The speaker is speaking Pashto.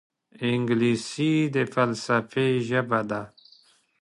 انګلیسي د فلسفې ژبه ده